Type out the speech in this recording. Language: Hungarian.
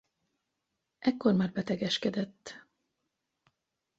Ekkor már betegeskedett.